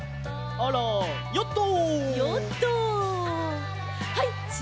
あらヨット！